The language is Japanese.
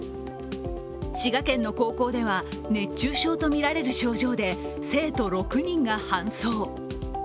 滋賀県の高校では熱中症とみられる症状で生徒６人が搬送。